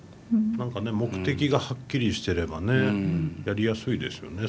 何かね目的がはっきりしてればねやりやすいですよね。